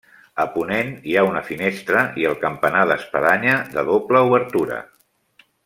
A ponent hi ha una finestra i el campanar d'espadanya de doble obertura.